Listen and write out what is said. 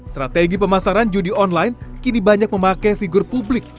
strategi pemasaran judi online kini banyak memakai figur publik